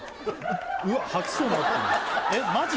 うわっ吐きそうになってるえっマジ？